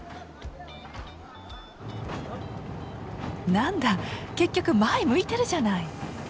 なんだ結局前向いてるじゃない！